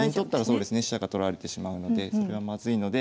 そうですね飛車が取られてしまうのでそれはまずいので。